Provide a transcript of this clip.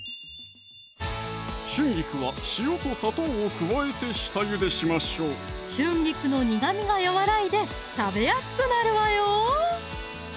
春菊は塩と砂糖を加えて下ゆでしましょう春菊の苦みが和らいで食べやすくなるわよ